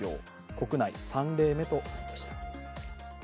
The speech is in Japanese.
国内３例目となりました。